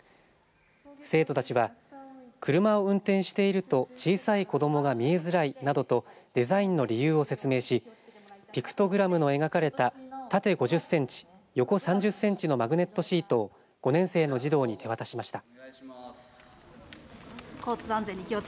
生徒たちは車を運転していると小さい子どもが見えづらいなどとデザインの理由を説明しピクトグラムの描かれた縦５０センチ横３０センチのマグネットシートを５年生の児童に手渡しました。